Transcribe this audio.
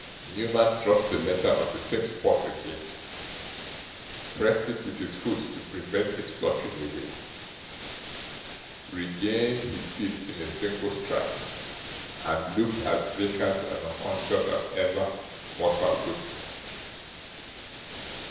Newman dropped the letter on the same spot again, pressed it with his foot to prevent its fluttering away, regained his seat in a single stride, and looked as vacant and unconscious as ever mortal looked.